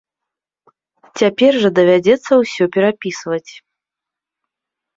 Цяпер жа давядзецца ўсё перапісваць.